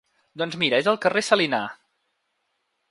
Doncs mira és el Carrer Salinar.